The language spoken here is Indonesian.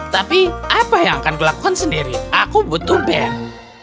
tapi apa yang akan aku lakukan sendiri aku butuh bank